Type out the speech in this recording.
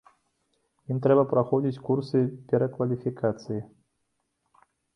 Ім трэба праходзіць курсы перакваліфікацыі.